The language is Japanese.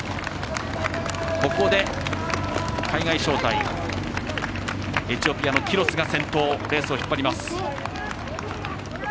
ここで海外招待、エチオピアのキロスが先頭レースを引っ張ります。